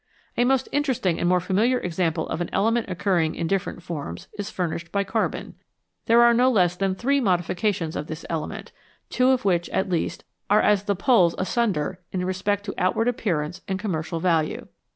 A most interesting and more familiar example of an element occurring in different forms is furnished by carbon. There are no less than three modifications of this element, two of which at least are as the poles asunder in respect of outward appearance and com mercial value.